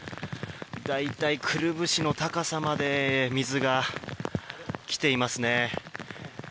大体、くるぶしの高さまで水が来ていますね。